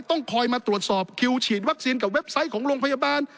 ต้องคอยมาตรวจสอบคิวฉีดวัคซีนกับเว็บไซต์ของโรงพยาบาล